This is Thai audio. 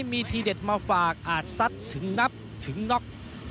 มีทีเด็ดมาฝากอาจซัดถึงนับถึงน็อก